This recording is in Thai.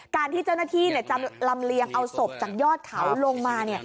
การที่เจ้าหน้าที่จะลำเลียงเอาศพจากยอดเขาลงมา